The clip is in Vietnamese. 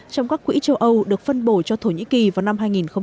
trong các quỹ châu âu được phân bổ cho thổ nhĩ kỳ vào năm hai nghìn hai mươi